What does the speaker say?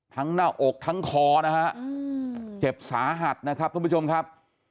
หน้าอกทั้งคอนะฮะเจ็บสาหัสนะครับทุกผู้ชมครับ